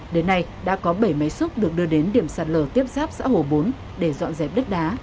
đến nay đã có bảy máy xúc được đưa đến điểm sạt lở tiếp giáp xã hồ bốn để dọn dẹp đất đá